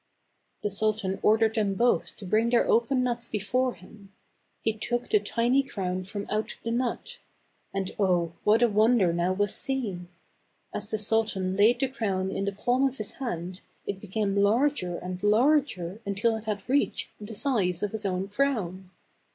The sultan ordered them both to bring their open nuts before him. He took the tiny crown from out the nut ; and, oh ! what a wonder now was seen. As the sultan laid the crown in the palm of his hand, it became larger and larger until it had reached the size of his own crown.